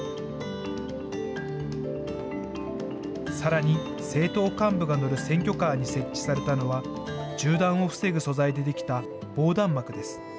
さらに、政党幹部が乗る選挙カーに設置されたのは、銃弾を防ぐ素材で出来た防弾幕です。